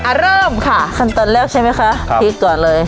อ่าเริ่มค่ะขั้นตอนแรกใช่ไหมคะครับพลิกก่อนเลย